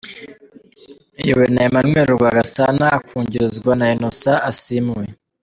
Iyobowe na Emmanuel Rwagasana, akungirizwa na Innocent Asiimwe.